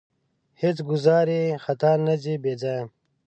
هېڅ ګوزار یې خطا نه ځي بې ځایه.